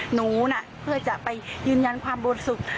หนูน่ะเพื่อจะไปยืนยันความบริสุทธิ์